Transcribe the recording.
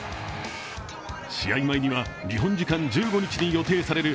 試合前には日本時間１５日に予定される